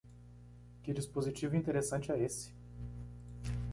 Que dispositivo interessante é esse.